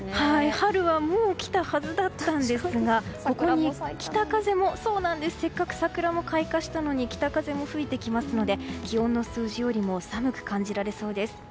春はもう来たはずだったんですがせっかく桜も開花したのに北風も吹いてきますので気温の数字よりも寒く感じられそうです。